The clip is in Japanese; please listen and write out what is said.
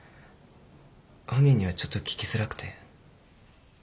本人にはちょっと聞きづらくて。